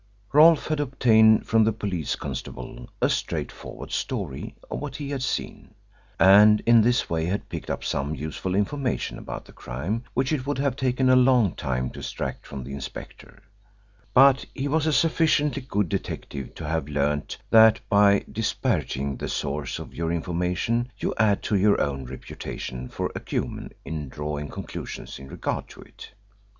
Rolfe had obtained from the police constable a straightforward story of what he had seen, and in this way had picked up some useful information about the crime which it would have taken a long time to extract from the inspector, but he was a sufficiently good detective to have learned that by disparaging the source of your information you add to your own reputation for acumen in drawing conclusions in regard to it.